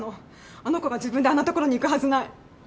あの子が自分であんな所に行くはずない。